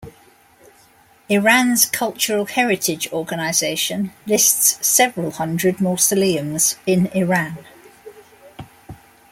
Iran's Cultural Heritage Organization lists several hundred mausoleums in Iran.